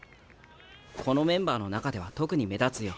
このメンバーの中では特に目立つよ。